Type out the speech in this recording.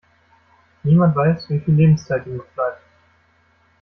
Niemand weiß, wie viel Lebenszeit ihm noch bleibt.